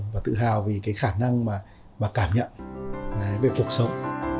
và tự hào vì cái khả năng mà bà cảm nhận về cuộc sống